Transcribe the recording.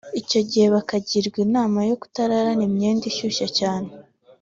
Icyo gihe bakagirwa inama yo kutararana imyambaro ishyushye cyane